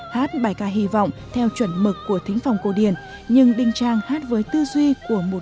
hát bài ca hy vọng theo chuẩn mực của thính phòng cổ điển nhưng đinh trang hát với tư duy của một